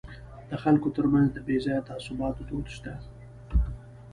د خلکو ترمنځ د بې ځایه تعصباتو دود شته.